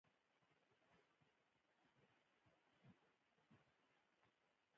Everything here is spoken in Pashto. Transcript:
د ژبي پرمختګ د ملت پرمختګ دی.